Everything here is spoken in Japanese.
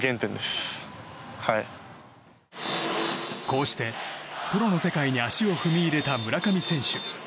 こうしてプロの世界に足を踏み入れた村上選手。